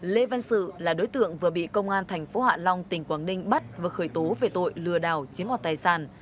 lê văn sự là đối tượng vừa bị công an thành phố hạ long tỉnh quảng ninh bắt và khởi tố về tội lừa đảo chiếm hoạt tài sản